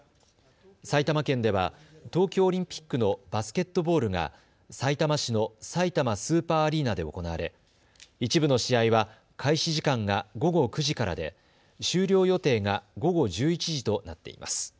埼玉県では東京オリンピックのバスケットボールがさいたま市のさいたまスーパーアリーナで行われ一部の試合は開始時間が午後９時からで終了予定が午後１１時となっています。